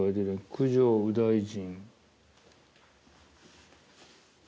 九条右大臣。